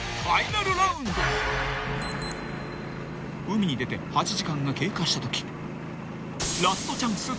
［海に出て８時間が経過したとき］